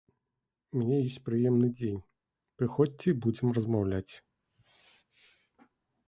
У мяне ёсць прыёмны дзень, прыходзьце і будзем размаўляць.